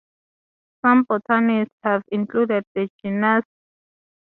Some botanists have included the genus "Beaucarnea" in "Nolina".